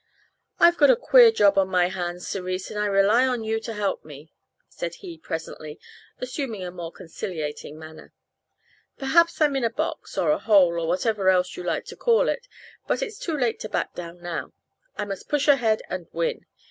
"I've got a queer job on my hands, Cerise, and I rely on you to help me," said he presently, assuming a more conciliating manner. "Perhaps I'm in a box, or a hole, or whatever else you like to call it, but it's too late too back down now I must push ahead and win.